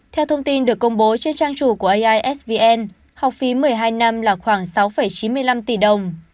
theo thông tin được công bố trên trang chủ của aisvn học phí một mươi hai năm là khoảng sáu chín mươi năm tỷ đồng